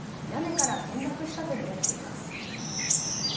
屋根から転落したとみられています。